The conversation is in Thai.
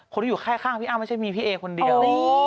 คนที่อยู่ข้างพี่อ้ำไม่ใช่มีพี่เอคนเดียว